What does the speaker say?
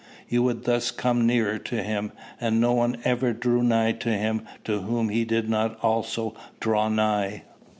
You would thus come nearer to him; and no one ever drew nigh to him to whom he did not also draw nigh.